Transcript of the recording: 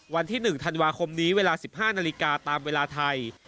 วันที่๑ธันวาคมนี้เวลา๑๕นาฬิกาตามเวลาไทย